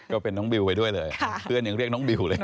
ก็เป็นน้องบิวไปด้วยเลยเพื่อนยังเรียกน้องบิวเลย